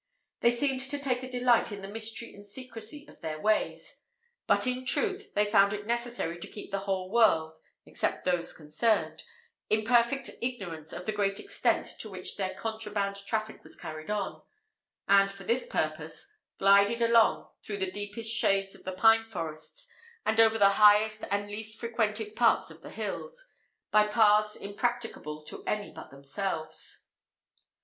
They seemed to take a delight in the mystery and secrecy of their ways; but, in truth they found it necessary to keep the whole world, except those concerned, in perfect ignorance of the great extent to which their contraband traffic was carried on, and for this purpose, glided along through the deepest shades of the pine forests, and over the highest and least frequented parts of the hills, by paths impracticable to any but themselves.